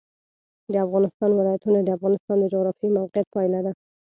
د افغانستان ولايتونه د افغانستان د جغرافیایي موقیعت پایله ده.